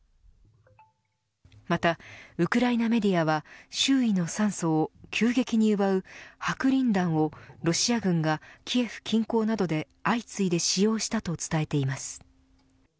またウクライナメディアは周囲の酸素を急激に奪う白リン弾をロシア軍がキエフ近郊などで相次いで使用したと伝えています。